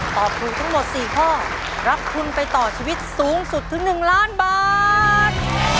ตอบถูกทั้งหมด๔ข้อรับทุนไปต่อชีวิตสูงสุดถึง๑ล้านบาท